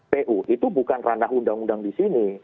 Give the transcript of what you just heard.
pu itu bukan ranah undang undang di sini